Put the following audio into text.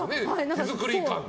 手作り感。